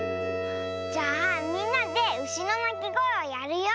じゃあみんなでうしのなきごえをやるよ。